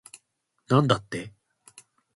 なんだって